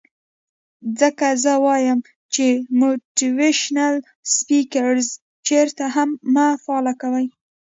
ځکه زۀ وائم چې موټيوېشنل سپيکرز چرته هم مۀ فالو کوئ